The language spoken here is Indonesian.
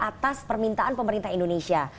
atas permintaan pemerintah indonesia